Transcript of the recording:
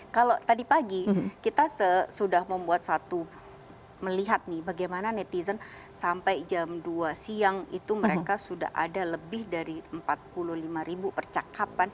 kalau tadi pagi kita sudah membuat satu melihat nih bagaimana netizen sampai jam dua siang itu mereka sudah ada lebih dari empat puluh lima ribu percakapan